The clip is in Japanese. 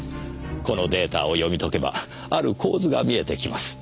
このデータを読み解けばある構図が見えてきます。